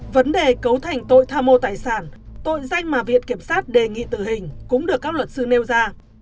vấn đề cấu thành tội tham mô tài sản tội danh mà viện kiểm sát đề nghị tử hình cũng được các luật sư nêu ra